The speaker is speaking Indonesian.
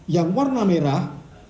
yang warna merah